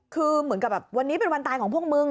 คือเหมือนกับแบบวันนี้เป็นวันตายของพวกมึง